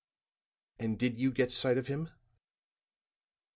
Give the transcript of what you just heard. And did you get sight of him?"